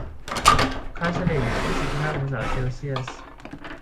ค่าเฉลี่ยอยู่ที่ สิบห้า องศาเซลเซียส